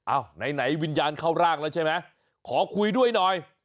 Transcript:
ไหนวิญญาณเข้าร่างแล้วใช่ไหมขอคุยด้วยหน่อย